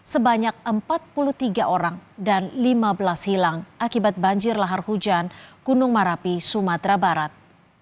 sebanyak empat puluh tiga orang dan lima belas hilang akibat banjir lahar hujan gunung merapi sumatera barat